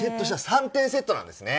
３点セットなんですね。